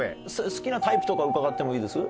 好きなタイプとか伺ってもいいです？